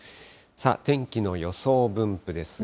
さあ、天気の予想分布ですが。